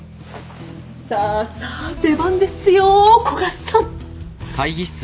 さあさあ出番ですよ古賀さん。